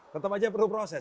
tetap saja perlu proses mas